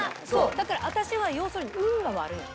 だから私は要するに運が悪いの。